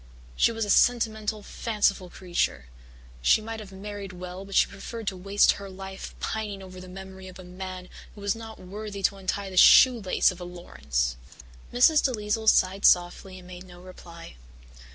"She was a sentimental, fanciful creature. She might have married well but she preferred to waste her life pining over the memory of a man who was not worthy to untie the shoelace of a Laurance." Mrs. DeLisle sighed softly and made no reply.